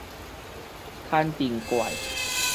牽藤怪